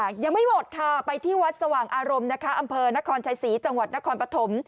ยังไม่หมดค่ะไปที่วัดสว่างอารมณ์นะคะอำเภอนครชัยศรีจังหวัดนครปฐม